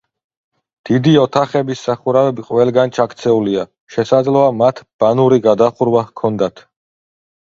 დიდი ოთახების სახურავები ყველგან ჩაქცეულია, შესაძლოა მათ ბანური გადახურვა ჰქონდათ.